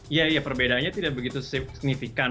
iya iya perbedaannya tidak begitu signifikan